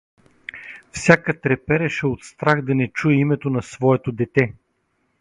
Всяка трепереше от страх да не чуе името на своето дете.